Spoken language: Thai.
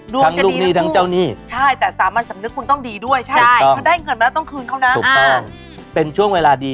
ดวงจะดีทั้งคู่